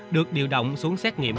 được điều động xuống xét nghiệm